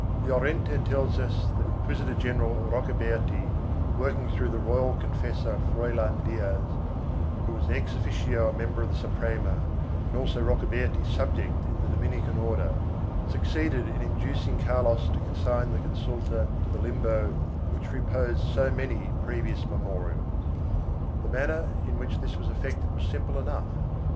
Llorente tells us that Inquisitor general Rocaberti, working through the royal confessor Froilan Diaz, who was ex officio a member of the Suprema, and also Rocaberti's subject in the Dominican Order, succeeded in inducing Carlos to consign the consulta to the limbo in which reposed so many previous memorials.1 The manner in which this was effected was simple enough.